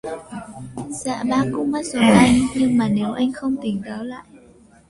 dạ bác cũng mất rồi anh Nhưng mà nếu anh không tỉnh táo lại